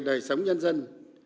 đời sống nhân dân